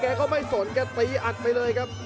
แค่เขาไม่สนเลยเขาตีอัดไปเลยครับ